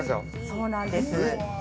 ◆そうなんです。